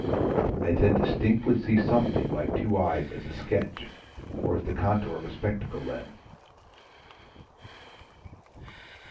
I then distinctly see something like two eyes as a sketch or as the contour of a spectacle lens...."